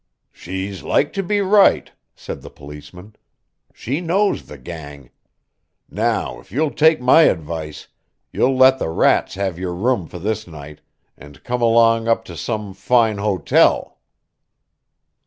"She's like to be right," said the policeman. "She knows the gang. Now, if you'll take my advice, you'll let the rats have your room for this night, and come along up to some foine hotel."